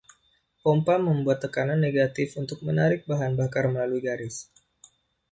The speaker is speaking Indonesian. Pompa membuat tekanan negatif untuk menarik bahan bakar melalui garis.